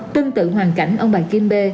tương tự hoàn cảnh ông bà kim bê